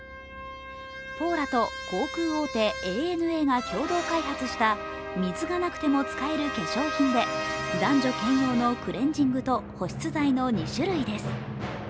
ポーラと航空大手ＡＮＡが共同開発した、水がなくても使える化粧品で男女兼用のクレンジングと保湿剤の２種類です。